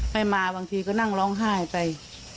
ไม่มาบางทีก็นั่งร้องไห้ไป